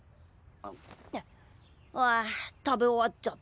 ああ食べ終わっちゃった。